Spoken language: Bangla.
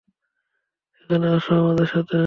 এখানে আস আমাদের সাথে।